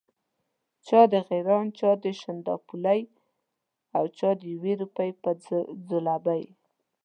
چا د غیراڼ، چا د شانداپولي او چا د یوې روپۍ پر ځلوبۍ.